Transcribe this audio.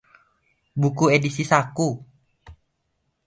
buku edisi saku